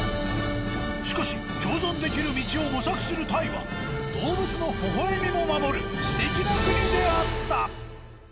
しかし共存できる道を模索するタイは動物の微笑みも守るすてきな国であった。